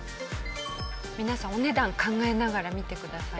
皆さんお値段考えながら見てくださいね。